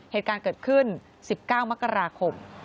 เหตุการณ์เกิดขึ้น๑๙มกราคม